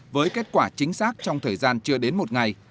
với kết quả chính xác trong thời gian chưa đến một ngày